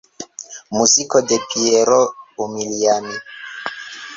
Muziko de Piero Umiliani.